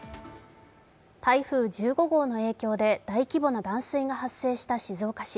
台風１５号の影響で大規模な断水が続いた静岡市。